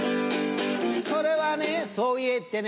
それはね「そう言え」ってね